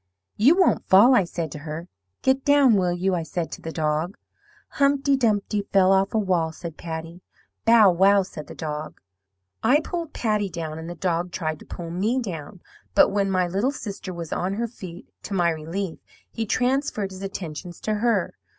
"'You won't fall,' I said to her. 'Get down, will you?' I said to the dog. "'Humpty Dumpty fell off a wall,' said Patty. "'Bow! wow!' said the dog. "I pulled Patty down, and the dog tried to pull me down; but when my little sister was on her feet, to my relief, he transferred his attentions to her.